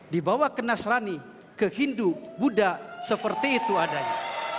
dibawa ke nasrani ke hindu buddha seperti itu adanya